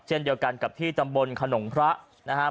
เช่นเดียวกันกับที่ตำบลขนงพระนะครับ